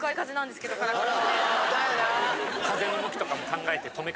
だよな。